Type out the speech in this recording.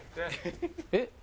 えっ？